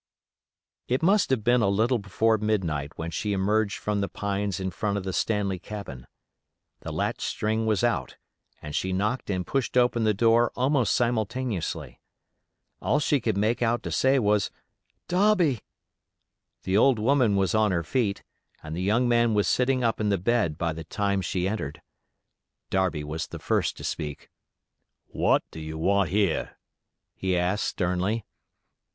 It must have been a little before midnight when she emerged from the pines in front of the Stanley cabin. The latch string was out, and she knocked and pushed open the door almost simultaneously. All she could make out to say was, "Darby." The old woman was on her feet, and the young man was sitting up in the bed, by the time she entered. Darby was the first to speak. "What do you want here?" he asked, sternly.